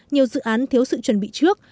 nhiều dự án thiếu sự chuẩn bị trước